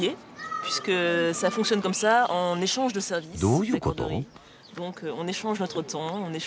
どういうこと？